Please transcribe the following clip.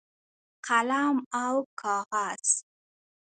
قلم او کاغذ